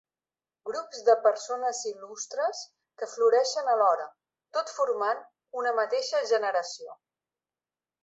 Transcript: Grups de persones il·lustres que floreixen alhora, tot formant una mateixa generació.